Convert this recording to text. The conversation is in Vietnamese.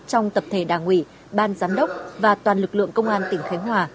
trong tập thể đảng ủy ban giám đốc và toàn lực lượng công an tỉnh khánh hòa